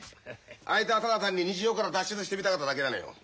あいつはただ単に日常から脱出してみたかっただけなのよ。